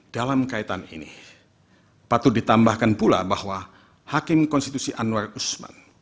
dalam kaitan ini patut ditambahkan pula bahwa hakim konstitusi anwar usman